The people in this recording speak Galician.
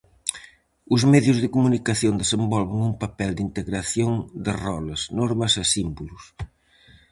Os medios de comunicación desenvolven un papel de integración de roles, normas e símbolos.